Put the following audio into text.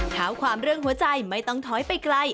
เท้าความเรื่องหัวใจไม่ต้องถอยไปไกล